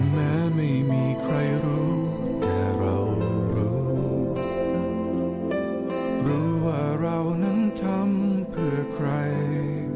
แม้ไม่มีใครรู้แต่เรารู้รู้ว่าเรานั้นทำเพื่อใคร